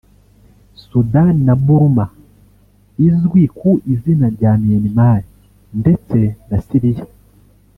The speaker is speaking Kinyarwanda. Sudan na Burma izwi ku izina rya Myanmar ndetse na Syria